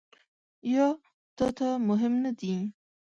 یا تا ته مهم نه دي ؟